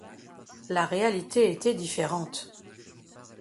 La réalité était différente.